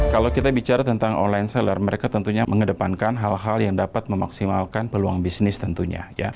kalau kita bicara tentang online seller mereka tentunya mengedepankan hal hal yang dapat memaksimalkan peluang bisnis tentunya